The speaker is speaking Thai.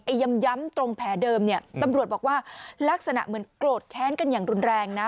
ย้ำตรงแผลเดิมเนี่ยตำรวจบอกว่าลักษณะเหมือนโกรธแค้นกันอย่างรุนแรงนะ